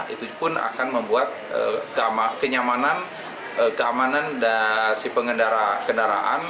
itu pun akan membuat kenyamanan dan pengendaraan